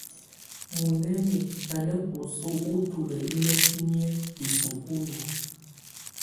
Muinǝ́ni á ná bǝ́su úlutǝ́ ínǝ́kiniǝ́ isúkulu.